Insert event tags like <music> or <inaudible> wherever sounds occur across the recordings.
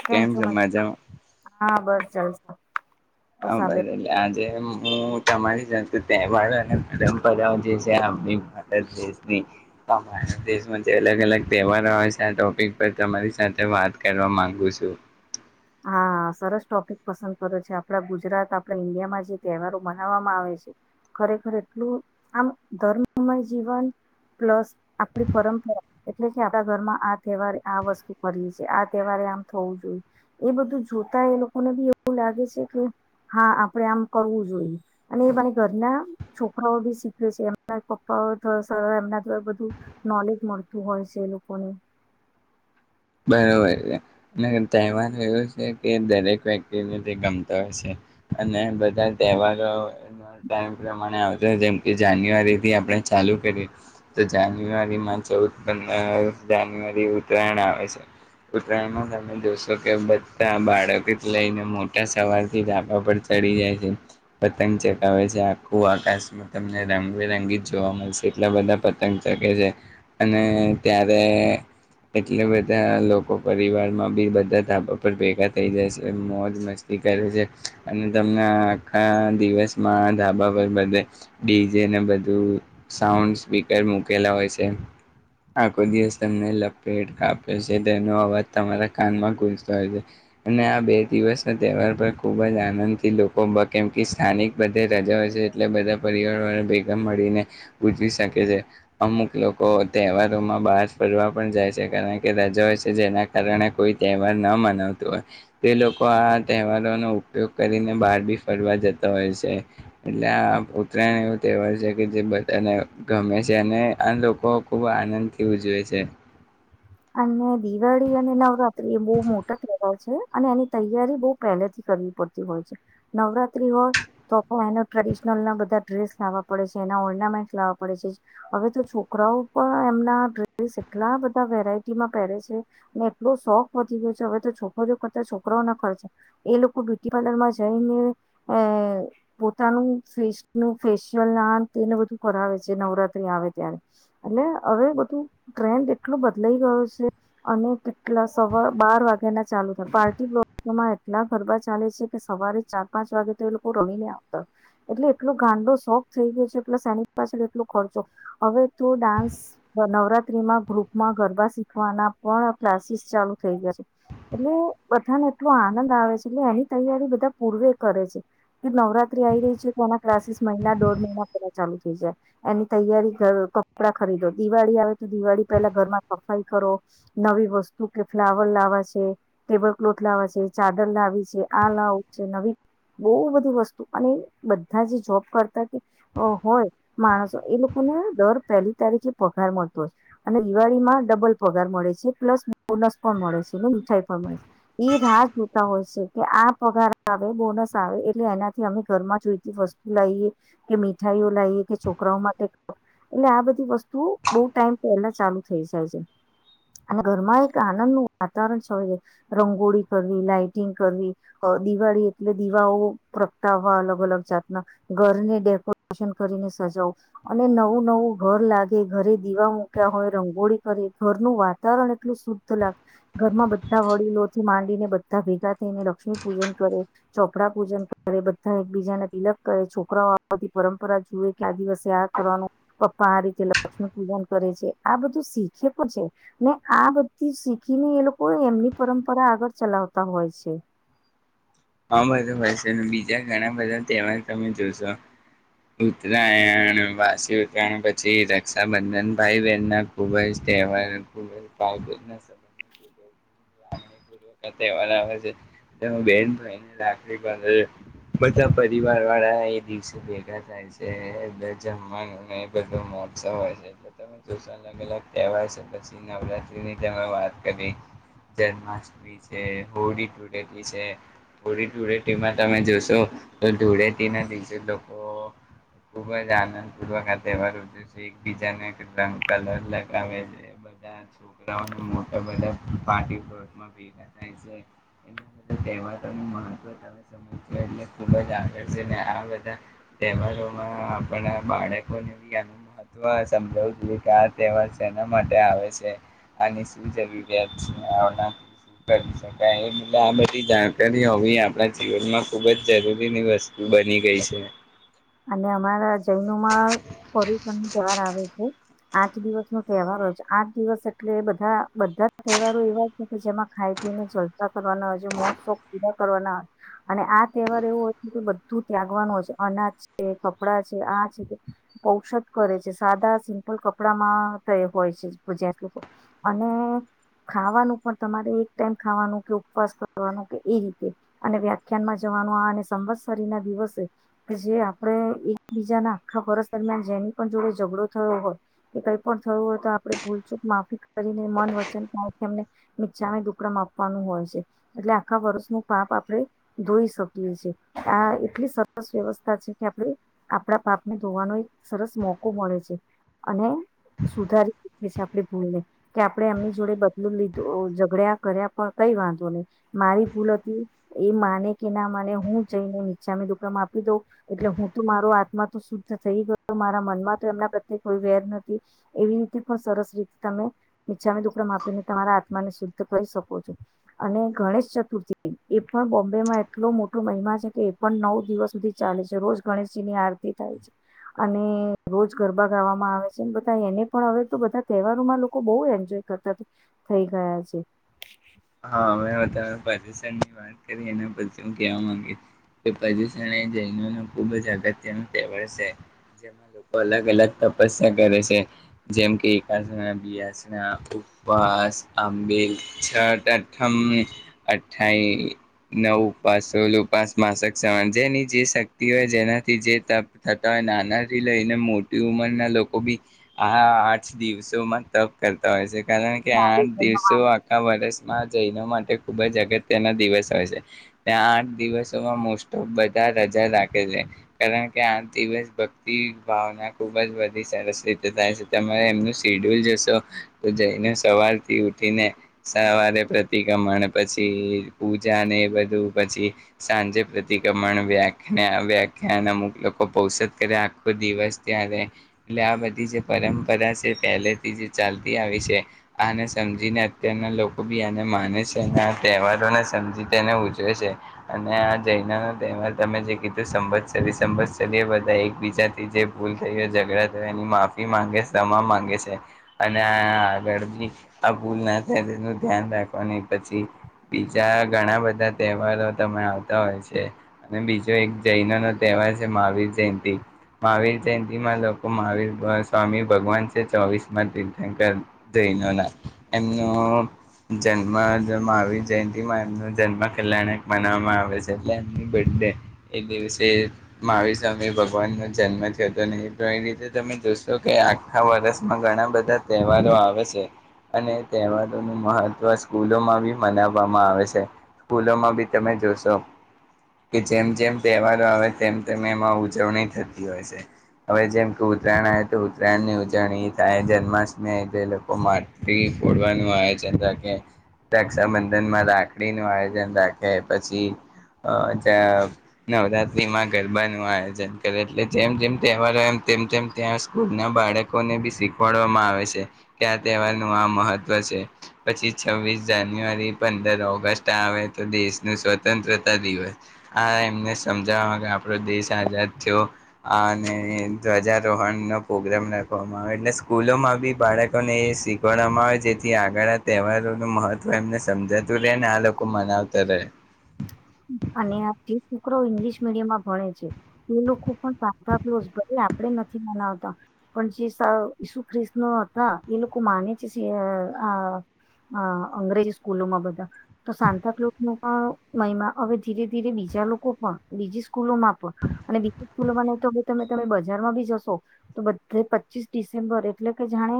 કેમ છું મજ, હા બસ. જલસા. હ બસ આ બે ભઈ રજ આજે એમ હું તમારી સાથે તહેવારો અને પરંપરાઓ જે છે આપની ભારત દેશની ભારત દેશમાં જે અલગ અલગ તહેવારો આવે છે આ ટોપિક પર તમારી સાથે વાત કરવા માંગુ છું. હા સરસ ટોપિક પસંદ કર્યો છે. આપડા ગુજરાત આપણા ઈન્ડિયામાં જે તહેવારો મનાવવામાં આવે છે ખરેખર એટલું આમ ધર્મમય જીવન પ્લસ આપણી પરંપરા એટલે કે આપડા ઘરમાં આ તહેવારે આ વસ્તુ કરીએ છે, આ તહેવારે આમ થવું જોઈએ. એ બધું જોતા એ લોકોને બી એવું લાગે છે કે હા આપડે આમ કરવું જોઈએ અને એ બાન ઘરના છોકરાઓ બી શીખે છે. એમના પપ્પાઓ એમના દ્વા બધું નોલેજ મળતું હોય છે એ લોકોને. બરોબર અને તહેવારો એવ છે કે દરેક વ્યક્તિને તે ગમતા હોય છે અને બધા તહેવારો ટાઇમ પ્રમાણે આવતા જેમ કે જાન્યુઆરીથી આપણે ચાલુ કરી તો જાન્યુઆરીમાં ચૌદ પંદર જાન્યુઆરી ઉત્તરાયણ આવે છે ઉતરાયણમાં તમે જોશો કે બધા બાળક લઈને મોટા સવાર થી ડાકાા પર ચડી જાય છે પતંગ ચગાવે છે આખું આકાશમાં તમને રંગબેરંગી જોવા મળશે એટલા બધા પતંગ ચગ છે અને ત્યારે એટ બ તયા લોકો પરિવારમાં બી બધા ધાબા પર ભેગા થઈ જાય છે મોજ મસ્તી કરે છે અને તમને આખા દિવસમાં ધાબા પર બધે ડીજેને બધું સાઉન્ડ સ્પીકર મૂકેલા હોય છે આખો દિવસ તમને લપેટ કાપ પેસે તેનો અવાજ તમારા કાનમાં ગૂજતો હોય છે અને આ બે દિવસ ના તહેવાર પર ખૂબ જ આનંદથી લોકો કેમ કે સ્થાનિક બધે રજા હોય છે એટલે બધા પરિવાર ભેગા મળીને ઉજવી શકે છે અમુક લોકો તહેવારોમાં બહાર ફરવા પણ જાય છે કારણ રજા હોય છે જેના કારણે કોઈ તહેવાર ન મનાવતો હોય તે લોકો આ તહેવારોનો ઉપયોગ કરીને બહાર બી ફરવા જતા હોય છે એટલે આ ઉત્તરાયણ એવો તહેવાર છે કે જે બધાને ગમે છે અને આ લોકો ખૂબ આનંદથી ઉજવે છે અમને દીવાળી અને નવ ટ્રી એ બો મોટા તહેવાર છે. અને એની તૈયારી બો પહેલેથી કરવી પડતી હોય છે નવરાત્રી હોય તો પણ એને ટ્રેડિશનલ ના બધા ડ્રેસ લાવવા પડે છે એના ઓર્નામેન્ટ લાવવા પડે છે હવે તો છોકરાઓ પણ એમના ડ્રેસ એટલા બધા વેરાય ટીમાં પહેરે છે ને એટલો શોખ વધી ગયો છે હવે તો છોકરી કરતા છોકરાઓ ના ખર્ચા એ લોકો બ્યુટી પાર્લરમાં જઈને એ પોતાનું ફેસનુ ફેશિયલ ના તેને બધું કરાવે છે નવરાત્રી આવે ત્યારે એટલે હવે બધું ટ્રેન્ડ એટલું બદલાઈ છે અને કેટલા સવા બાર વાગે ના ચાલુ થાય પાર્ટી બ્લોકમાં એટલા ગરબા ચાલે છે કે સવારે ચાર પાંચ વાગે તો એ લોકો રમીને આવતા હો એટલે એટલો ગાંડો શોખ થઈ ગયો છે પ્લસ એની પાછળ એટલો ખર્ચો હવે તો ડાન્સ નવરાત્રીમાં ગ્રુપમાં ગરબા શીખવાના પણ ક્લાસીસ ચાલુ થઈ ગયા છે એટલે બધાને એટલો આનંદ આવે છે એટલે એની તૈયારી બધા પૂર્વે કરે છે કે નવરાત્રી આવી રહી છે તો એના ક્લાસીસ મહિના દોઢ મહિના પેલા ચાલુ થઈ જાય એની તૈયારી કપડાં ખરીદો દિવાળી આવે તો દિવાળી પેલા ઘરમાં સફાઈ કરો નવી વસ્તુ કે ફ્લાવર લાવા છે ટેબલ ક્લોથ લાવા છે ચાદર લાવી છે આ લાવ છે નવી બો બધી વસ્તુ અને બધા જે જોબ કરતા કે હોય માણસો એ લોકોને દર પહેલી તારીખે પગાર મળતો હોય અને દિવાળીમાં ડબલ પગાર મળે છે પ્લસ બોનસ પણ મળે છે ને મીઠાઈ પણ મળે છે એ રાહ જોતા હોય છે કે આ પગાર આવે બોનસ આવે એટલે એનાથી અમે ઘરમાં જોઈતી વસ્તુ લાઈએ કે મીઠાઈઓ લાઈએ કે છોકરાઓ માટે એટલે આ બધી વસ્તુ બો ટાઈમ પહેલા ચાલુ થઈ જાય છે. અને ઘરમાં એક આનંદનુ વાતાવરણ છવાઈ જાય રંગોળી કરવી લાાઈટિંગ કરવી દિવાળી એટલે દીવાઓ પ્રગટાવવા અલગ અલગ જાતના ઘરને ડેકોરેશન કરીને સજાવું અને નવું નવું ઘર લાગે ઘરે દીવા મૂક્યા હોય રંગોળી કરે ઘરનું વાતાવરણ એટલું શુદ્ધ લાગે ઘરમાં બધા વડીલોથી માંડીને બધા ભેગા થઈને લક્ષ્મી પૂજન કરે ચોપડા પૂજન કરે બધા એકબીજાને તિલક કરે છોકરાઓ આવથી પરંપરા જુએ કે આ દિવસે આ કરવાનું પપ્પા આ રીતે લક્ષ્મી પૂજન કરે છે આ બધું શી ખયે પણ છે ને આ બધી શીખીને એ લોકો એમની પરંપરા આગળ ચલાવતા હોય છે. હા બધું <unintelligible> છે બીજા ઘણા બધા તહેવાર તમે જોશો ઉતરાયણ વાસી ઉતરાયણ પછી રક્ષાબંધન ભાઈ બહેન ના ખૂબ જ તહેવાર <unintelligible> તહેવાર આવે છે તેમા બેન ભાઈને રાખડી બાંધ છે બધા પરિવાર વાળા એ દિવસે ભેગા થાય છે જમવા એ બધો મહોત્સવ હોય છે અલગ અલગ તહેવાર છે પછી નવરાત્રીની તમે વાત કરી જન્માષ્ટમી છે હોળી ધૂળેટી છે હોળી ધૂળેટીમાં તમે જોશો તો ધૂળેટીના દિવસે લોકો ખૂબ જ આનંદપૂર્વક આ તહેવાર ઉજવે છે એકબીજાને રંગ કલર લગાવે છે બધા છોકરાઓને મોટા બધા પાટી <inaudible> <unintelligible> આ બધી જાણકારી હોવી આપણા જીવનમાં ખુબ જ જરૂરીની વસ્તુ બની ગઈ છે. અને અમારા જૈનમાં પર્યટન નો તહેવાર આવે છે આઠ દિવસ નો તહેવાર હોય છે આઠ દિવસ એટલે બધા બધા તહેવારો એવા છે કે જેમાં ખાઈ પીને જલસા કરવાના હોય છે મોજસોખ પૂરા કરવાના હોય અને આ તહેવાર એવો હોય છે કે બધું ત્યાગવાનું હોય છે અનાજ કપડા છે આ છે ઔષધ કરે છે સાદા સિમ્પલ કપડામાં હોય છે જે લોકો અને ખાવાનું પણ તમારે એક ટાઈમ ખાવાનું કે ઉપવાસ કરવાનું કે એ રીતે અને વ્યાખ્યાનમાં જવાનું આ અને સંવત્સરી ના દિવસે કે જે આપણે એકબીજાના આખા વર્ષ દરમિયાન જેની પણ જોડે ઝઘડો થયો હોય કે કઈ પણ થયું હોય તો આપણે ભૂલચૂક માફી કરીને મન વચન એમને નીચામે દુકડામાં આપવાનું હોય છે એટલે આખા વર્ષનું પાપ આપણે ધોઈ શકીએ છે આ એટલી સરસ વ્યવસ્થા છે. કે આપણે આપડા પાપને ધોવાનો એક સરસ મોકો મળે છે અને સુધારી શકીએ છે આપણી ભૂલને કે આપણે એમની જોડે બદલું લીધું ઝઘડ્યા કર્યા પણ કઈ વાંધો નહી મારી ભૂલ હતી એ માને કે ના માને હું જઈને નીચામે દુકમાં આપી દઉં એટલે હું તો મારો આત્મા તો શુદ્ધ થઈ ગયો મારા મનમાં તો એમના પ્રત્યે કોઈ વેર નથી એવી રીતે પણ સરસ રીતે તમે ઈચ્છા દુકડમ આપીને તમારા આત્માને શુદ્ધ કરી શકો છો અને ગણેશ ચતુર્થી એ પણ બોમ્બેમાં એટલો મોટો મહિમા છે કે એ પણ નવ દિવસ સુધી ચાલે છે. રોજ ગણેશજીની આરતી થાય છે અને રોજ ગરબા ગાવામાં આવે છે બધા એને પણ હવે તો બધા તહેવારોમાં લોકો બોવ એન્જોય કરતા થઈ ગયા છે હા પ્રદૂષણની વાત કરી એના પછી હું કહેવા માંગીશ કે પ્રદૂષણ એ જૈનો ન ખુબ જ અગત્ય ન તહેવાર છે જેમાં લોકો અલગ અલગ તપસ્યા કરે છે જેમ કે એકાસના બીઆસના ઉપવાસ આંબેલ છઠ અઠમ અઠાઈ નવ ઉપાસ સોળ ઉપાસ માસક સણ જેની જે શક્તિ હોય જેનાથી જે તપ થતા હોય નાના થી લઈને મોટી ઉંમરના લોકો બી આ આઠ દિવસોમાં તપ કરતા હોય છે. કારણ કે છે આઠ દિવસો આખ વરસ જ માટે ખુબ જ અગત્યના દિવસ હોય છે ત્યાં આઠ દિવસોમાં મોસ્ટ ઓફ બધા રજા રાખે છે કારણ કે આઠ દિવસ ભક્તિ ભાવના ખુબ જ બધી સરસ રીતે થાય છે તમે એમનું શીડ્યુલ જશો તો જઈન સવારથી ઉઠીને પ્રતિકમણ પછી પૂજા ને એ બધું પછી સાંજે પ્રતિક્રમણ વ્યાખ્યા વ્યાખ્યાન અમુક લોકો પોષત કરે આખો દિવસ ત્યારે એટલે આ બધી જે પરંપરા છે પહેલેથી જે ચાલતી આવી છે આને સમજીને અત્યારના લો કો બી આને માને છે અને આ તહેવારોને સમજી તેને ઉજવે છે અને આ જઈનાનો તહેવાર તમે જે કીધું સંભસરી સંભતસરી એ બધા એકબીજાથી જે ભૂલ થઈ હો ઝઘડા થયો એની માફી માંગે સમા માંગે છે અને આ આગળ બી આ ભૂલ ના થાય તેનું ધ્યાન રાખવાની પછી બીજા ઘણા બધા તહેવારો તમે આવતા હોય છે અને બીજો એક જૈનો નો તહેવાર છે મહાવીર જયંતિ મહાવીર જયંતિમાં લોકો મહાવીર સ્વામી ભગવાન છે ચોવીસ માં તીર્થંકર જૈનોના એમનો જન્મ મહાવીર જયંતિમાં એમનો જન્મ કલ્યાણક મનાવામાં આવે છે એટલે એમની બર્થડે એ દિવસે મહાવીર સ્વામી ભગવાનનો જન્મ થયો હતો એ એ રીતે તમે જોશો કે આખા વર્ષમાં ઘણા બધા તહેવારો આવે છે અને તહેવારોનું મહ ત્વ સ્કૂલોમાં બી મનાવવામાં આવે છે સ્કૂલોમાં બી તમે જોશો કે જેમ જેમ તહેવારો આવે તેમ તેમ એમાં ઉજવણી થતી હોય છે હવે જેમ કે ઉત્તરાયણ આવે તો ઉત્તરાયણની ઉજવણી થાય જન્માષ્ટમી આવે એ લોકો માતલી ફોડવાનું આયોજન ખે રક્ષાબંધનમાં રાખડી નું આયોજન રાખે પછી અ જા નવરાત્રીમાં ગરબા નું આયોજન કરે એટલે જેમ જેમ તહેવાર એમ તેમ તેમ ત્યાં સ્કૂલ ના બાળકોને બી શીખવાડવામાં આવે છે કે આ તહેવાર નું આ મહત્વ છે પછી છવ્વીસ જાન્યુઆરી પંદર ઓગસ્ટ આવે તો દેશનું સ્વતંત્રતા દિવસ આ એમને સમજાવવામાં આપણો દેશ આઝાદ થયો અને ધ્વજારોહણનો પ્રોગ્રામ રાખવામાં આવે એટલે સ્કૂલોમાં બી બાળકોને એ શીખડવામાં આવે જેથી આગળ તહેવારો નું મહત્વ એમને સમજાતું રહેે ને આ લોકો મનાવતા રહે અને જે છોકરા ઇંગ્લિશ મીડિયમમાં ભણે છે એ લોકો પણ સાતા કલુઝ ભલે આપડ નથી માનાવતા પણ જે અ ઈસુ ખ્રિસનો હતા એ લોકો માને છે આ આ અંગ્રેજી સ્કૂલોમાં બધા તો સાતા કલુઝ ન પણ મહમા હવે ધીરે ધીરે બીજા લોકો પણ બીજી સ્કૂલોમાં પણ અને કૂલવાના હોય તો તમે તમે બજારમાં ભી જશો તો બધે પચીસ ડિસેમ્બર એટલે કે જાણે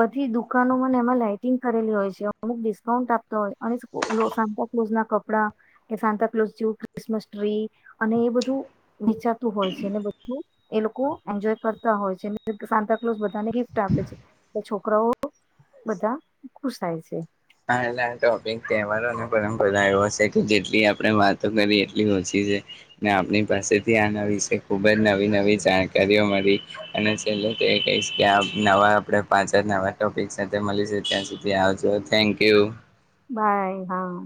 બધી દુકાનોમાંને એમાં લાાઈટિંગ કરેલી હોય છે અમુક ડિસ્કાઉન્ટ આપતા હોય અને સાતાક્લુઝ ના કપડા કે સાતાક્લુઝ ક્રિસમસ ટ્રી અને એ બધું વિચાતું હોય છે ને બધું એ લોકો એન્જોય કરતા હોય છે સાતા કલોઝ ધાને ગિફ્ટ આપે છે છો છોકરાઓ બધા ખુસાય છે. હ એટલે ટોપિક તહેવારો અને પરંપરા એવો છે કે જેટલી આપડે વાતો કરી એટલી ઓછી છે. ને આપડી પાસેથી આના વિશે ખુબ જ નવી-નવી જાણકારીઓ મળી. અને છેલ્લે તો એ કહીશ કે આ નવા આપડે પાછા નવા ટોપિક સાથે મલીશું ત્યાં સુધી આવજો. Thank you. બાય હા.